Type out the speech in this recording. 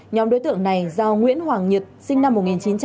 nhóm đối tượng này do nguyễn hoàng nhật sinh năm một nghìn chín trăm chín mươi ba